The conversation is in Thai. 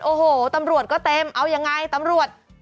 โอ้โหตำรวจก็เต็มเอายังไงตำรวจ